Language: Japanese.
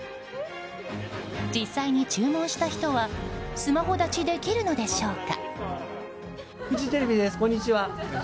実際に注文した人はスマホ断ちできるのでしょうか？